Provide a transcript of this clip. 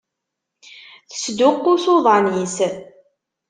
Tesduqqus uḍan-is.